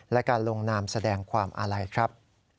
และการลงนามแสดงความอาลัยครับ